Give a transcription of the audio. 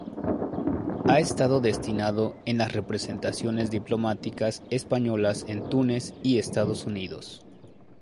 Ha estado destinado en las representaciones diplomáticas españolas en Túnez y Estados Unidos.